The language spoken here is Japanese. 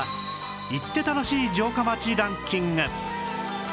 行って楽しい城下町ランキング